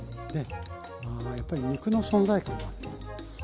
あやっぱり肉の存在感が。